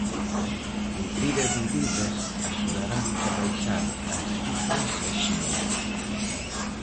Cumprir as medidas axudaranos a baixar as cifras axiña.